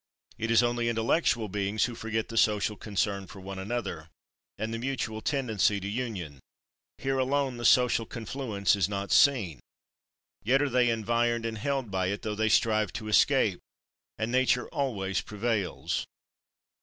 It is only intellectual beings who forget the social concern for one another, and the mutual tendency to union. Here alone the social confluence is not seen. Yet are they environed and held by it, though they strive to escape; and nature always prevails.